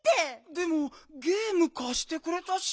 でもゲームかしてくれたし。